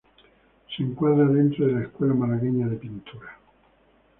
Se encuadra dentro de la Escuela malagueña de pintura.